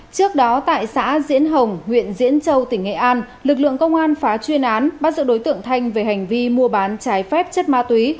trước đó tại xã diễn hồng huyện diễn châu tỉnh nghệ an lực lượng công an phá chuyên án bắt giữ đối tượng thanh về hành vi mua bán trái phép chất ma túy